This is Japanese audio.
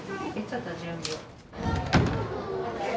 ちょっと準備を。